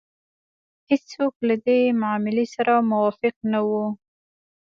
هېڅوک له دې معاملې سره موافق نه وو.